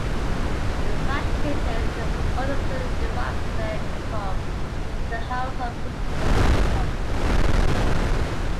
In such cases, they ultimately derive their income from the household's principal income.